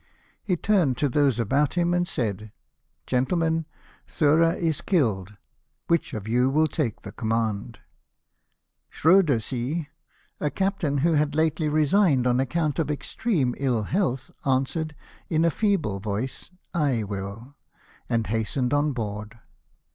He turned to those about him, and said, " Gentlemen, Thura is killed ; which of you will take the command ?" Schroedersee, a captain who had lately resigned on account of extreme ill health, answered, m a feeble A^oice, " I will," and hastened on board.